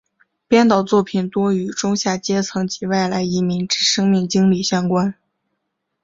编导作品多与中下阶层及外来移民之生命经历相关。